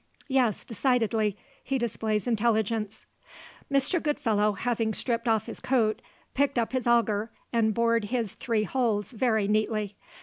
"Yes, decidedly, he displays intelligence." Mr. Goodfellow having stripped off his coat, picked up his auger and bored his three holes very neatly.